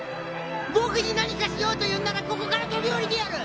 僕に何かしようというんならここから飛び降りてやる！